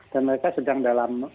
dan mereka sedang dalam